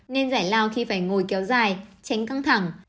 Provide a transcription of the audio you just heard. nên giải lao khi phải ngồi kéo dài tránh căng thẳng